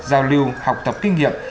giao lưu học tập kinh nghiệm